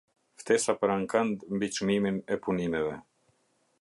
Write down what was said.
Ftesa për ankand mbi çmimin e punimeve.